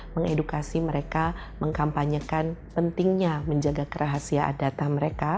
mengedukasi mereka mengkampanyekan pentingnya menjaga kerahasiaan data mereka